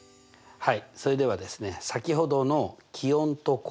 はい。